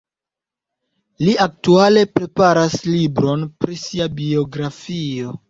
Li aktuale preparas libron pri sia biografio.